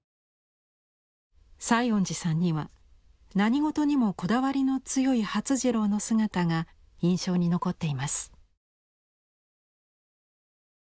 西園寺さんには何事にもこだわりの強い發次郎の姿が印象に残っています。